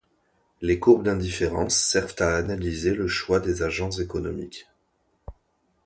Les courbes d'indifférence servent à analyser le choix des agents économiques.